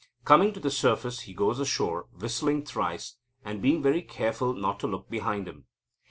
Coming to the surface, he goes ashore, whistling thrice, and being very careful not to look behind him.